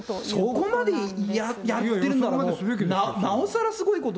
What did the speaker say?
そこまでやってるなら、もうなおさらすごいこと。